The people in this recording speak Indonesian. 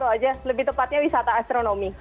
tepatnya satu aja lebih tepatnya wisata astronomi